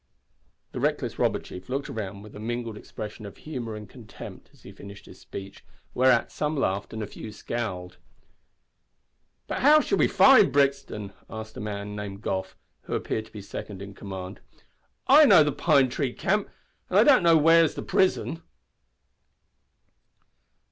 The reckless robber chief looked round with a mingled expression of humour and contempt, as he finished his speech, whereat some laughed and a few scowled. "But how shall we find Brixton?" asked a man named Goff, who appeared to be second in command. "I know the Pine Tree Camp, but I don't know where's the prison."